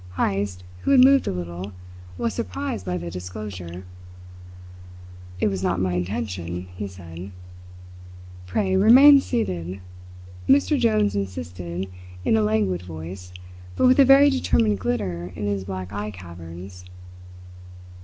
Heyst, who had moved a little, was surprised by the disclosure. "It was not my intention," he said. "Pray remain seated," Mr. Jones insisted in a languid voice, but with a very determined glitter in his black eye caverns.